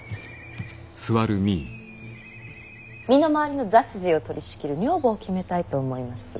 身の回りの雑事を取りしきる女房を決めたいと思います。